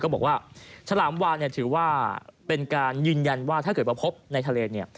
ก็บอกว่าฉลามวานถือว่าเป็นการยืนยันว่าถ้าเกิดประพบในทะเล